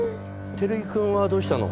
照井くんはどうしたの？